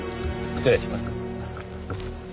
失礼します。